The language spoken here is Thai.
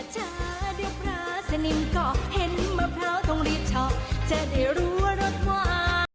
จะได้ปราสนิมก็เห็นมะพร้าวตรงรีบชอบจะได้รู้ว่ารสว่าง